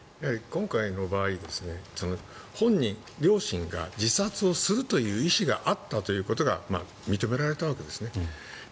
今回の場合本人、両親が自殺をするという意思があったということが認められたわけですね。